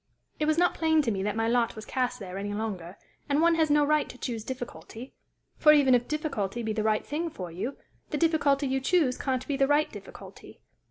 It was not plain to me that my lot was cast there any longer, and one has no right to choose difficulty; for, even if difficulty be the right thing for you, the difficulty you choose can't be the right difficulty.